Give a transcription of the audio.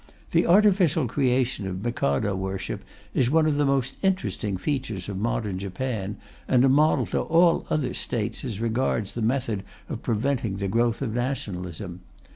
The artificial creation of Mikado worship is one of the most interesting features of modern Japan, and a model to all other States as regards the method of preventing the growth of rationalism.